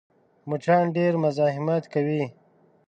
مچان ډېر مزاحمت کوي